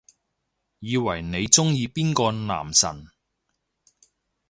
以為你鍾意邊個男神